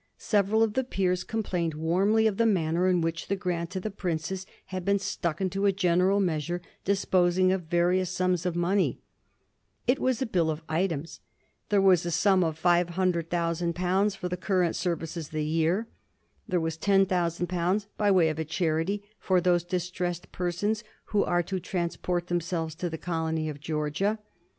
Several of the peers complained warmly of the manner in which the grant to the princess had been stuck into a general measure disposing of various sums of money. It was a Bill of items. There was a sum of £500,000 for the current service of the year. There was £10,000 by way of a charity ''for those distressed persons who are to transport themselves to the colony of Georgia."